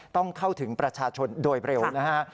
ต้องเข้าถึงประชาชนโดยเร็วนะฮะ